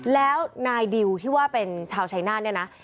แล้วนายดิวที่ว่าเป็นชาวชายนาฏเนี่ยนะ